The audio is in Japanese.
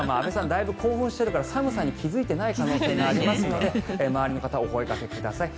だいぶ興奮してるから寒さに気付いていない可能性がありますから周りの方、お声掛けください。